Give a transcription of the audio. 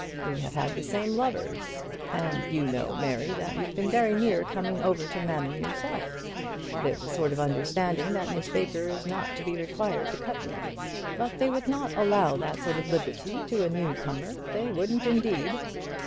We have had the same lovers; and you know, Mary, that you've been very near coming over to Mammon yourself. There's a sort of understanding that Miss Baker is not to be required to cut me. But they would not allow that sort of liberty to a new comer; they wouldn't, indeed."